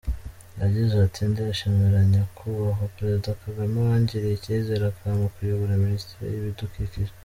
Yagize ati “ Ndashimira Nyakubahwa Perezida Kagame wangiriye icyizere akampa kuyobora Minisiteri y’Ibidukikije.